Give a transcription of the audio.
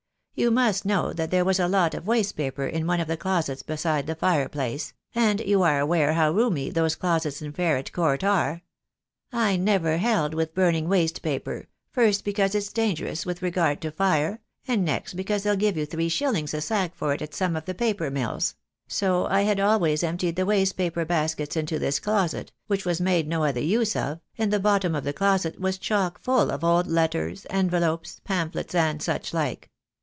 You must know that there was a lot of waste paper in one of the closets beside the fireplace, and you are aware how roomy those closets in Ferret Court are. I never held with burn ing waste paper, first because it's dangerous with regard to fire, and next because they'll give you three shillings a sack for it at some of the paper mills; so I had always emptied the waste paper baskets into this closet, which was made no other use of, and the bottom of the closet was chock full of old letters, envelopes, pamphlets, and such like.